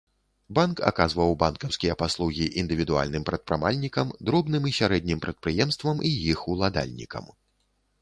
Банк аказваў банкаўскія паслугі індывідуальным прадпрымальнікам, дробным і сярэднім прадпрыемствам і іх уладальнікам.